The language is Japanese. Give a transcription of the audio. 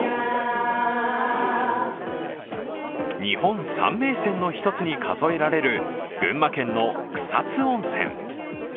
日本三名泉の１つに数えられる群馬県の草津温泉。